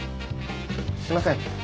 すいません。